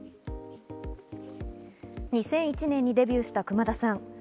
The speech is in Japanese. ２００１年にデビューした熊田さん。